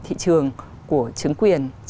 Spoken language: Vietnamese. thị trường của chứng quyền